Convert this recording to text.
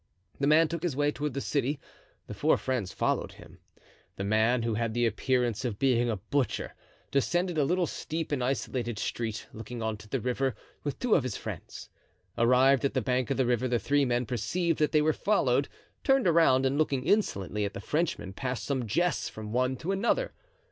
The man took his way toward the city. The four friends followed him. The man, who had the appearance of being a butcher, descended a little steep and isolated street, looking on to the river, with two of his friends. Arrived at the bank of the river the three men perceived that they were followed, turned around, and looking insolently at the Frenchmen, passed some jests from one to another.